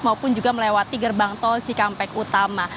maupun juga melewati gerbang tol cikampek utama